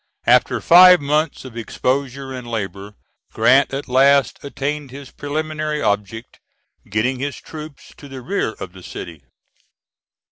After five months of exposure and labor Grant at last attained his preliminary object, getting his troops to the rear of the city.